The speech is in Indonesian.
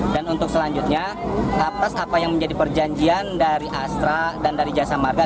dan untuk selanjutnya kapas apa yang menjadi perjanjian dari astra dan dari jasa marga